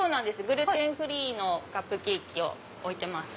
グルテンフリーのカップケーキを置いてます。